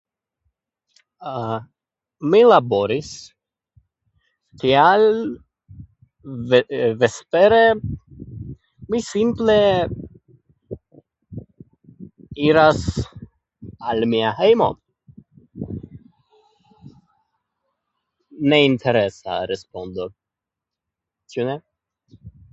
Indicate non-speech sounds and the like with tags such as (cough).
(hesitation) Mi laboris, tial ve- vespere mi simple iras al mia hejmo. Ne interesa respondo, ĉu ne?